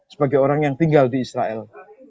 sebagai orang yang tinggal di israel